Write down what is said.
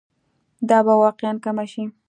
دا به واقعاً کمه شي.